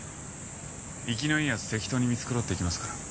生きのいいやつ適当に見繕って行きますから。